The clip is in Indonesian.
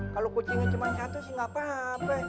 kalo kucingnya cuma satu sih gak apa apa be